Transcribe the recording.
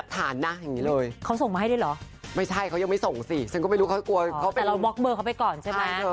แต่ลองบล็อกเบอร์เค้าไปก่อนใช่มะ